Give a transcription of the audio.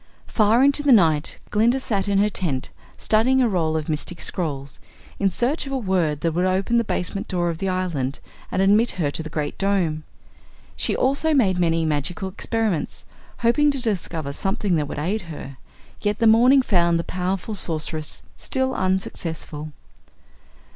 Far into the night Glinda sat in her tent studying a roll of mystic scrolls in search of a word that would open the basement door of the island and admit her to the Great Dome. She also made many magical experiments, hoping to discover something that would aid her. Yet the morning found the powerful Sorceress still unsuccessful.